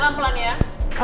pelan pelan ya